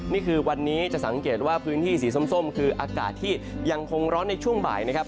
นี่คือวันนี้จะสังเกตว่าพื้นที่สีส้มคืออากาศที่ยังคงร้อนในช่วงบ่ายนะครับ